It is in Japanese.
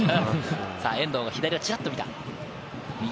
遠藤が左をちらっと見た。